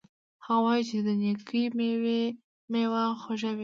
هغه وایي چې د نیکۍ میوه خوږه وي